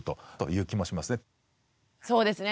そうですね